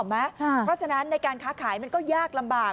เพราะฉะนั้นในการค้าขายมันก็ยากลำบาก